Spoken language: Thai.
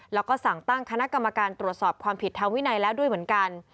แล้วก็สั่งตั้งคณะกรรมการตรวจสอบความผิดทางวินัยแล้วด้วยเหมือนกัน